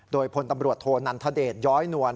โดยพลตำรวจโทนันทเดชย้อยนวล